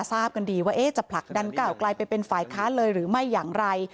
ทราบกันดีว่าจะผลักดันก้าวไกลไปเป็นฝ่ายค้านเลยหรือไม่อย่างไร